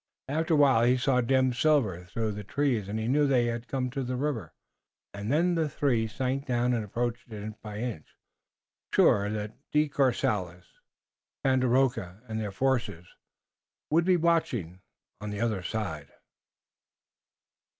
After a while he saw dim silver through the trees, and he knew they had come to the river. Then the three sank down and approached inch by inch, sure that De Courcelles, Tandakora and their forces would be watching on the other side.